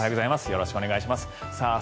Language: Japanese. よろしくお願いします。